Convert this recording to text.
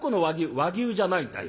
「和牛じゃないんだよ。